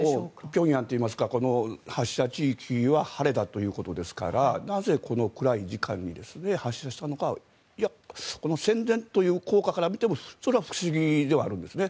平壌といいますかこの発射地域は晴れということですからなぜこの暗い時間に発射したのかは宣伝という効果から見てもそれは不思議ではあるんですね。